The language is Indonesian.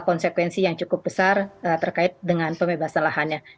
konsekuensi yang cukup besar terkait dengan pembebasan lahannya